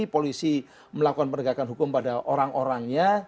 polisi melakukan penegakan hukum pada orang orangnya